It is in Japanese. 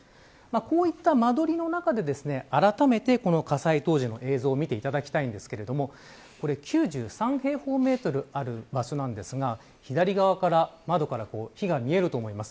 こういった間取りの中であらためてこの火災当時の映像を見ていただきたいのですが９３平方メートルある場所なんですが左側から窓から火が見えると思います。